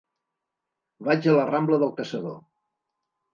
Vaig a la rambla del Caçador.